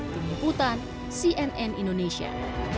dengan penyebutan cnn indonesia